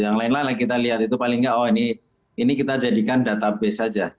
yang lain lain kita lihat itu paling nggak oh ini kita jadikan database saja